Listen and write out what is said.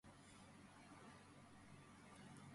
ამის შემდეგ ისედაც კრიზისში მყოფი სახანო ქაოსმა მოიცვა.